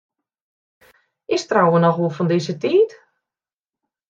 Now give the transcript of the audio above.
Is trouwen noch wol fan dizze tiid?